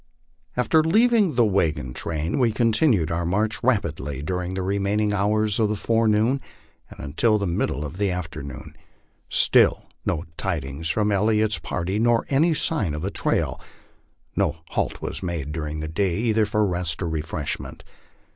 After leaving the wagon train, we continued our march rapidly during the remaining hours of the forenoon and until the middle of the afternoon. Still no tidings from El liot's party nor any sign of a trail. No halt was made during the day either for rest or refreshment.